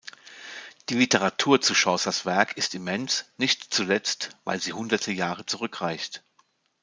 Die Literatur zu Chaucers Werk ist immens, nicht zuletzt, weil sie hunderte Jahre zurückreicht.